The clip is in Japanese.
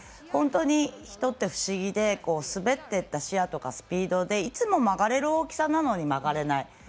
本当に、人って不思議で滑っていった視野とかスピードでいつも曲がれる大きさなのに曲がれない。